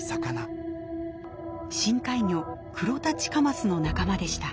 深海魚・クロタチカマスの仲間でした。